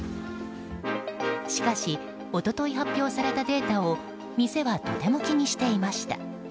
しかし、一昨日発表されたデータを店はとても気にしていました。